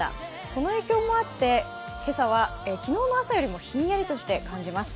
その影響もあって、今朝は昨日の朝よりもひんやりと感じます。